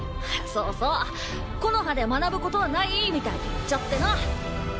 そうそう木ノ葉で学ぶことはないみたいに言っちゃってな。